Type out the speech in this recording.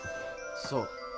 そう。